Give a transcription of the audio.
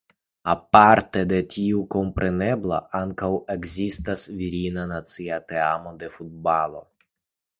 Aparte de tio komprenebla ankaŭ ekzistas virina nacia teamo de futbalo.